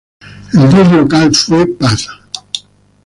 El dios local fue Ptah.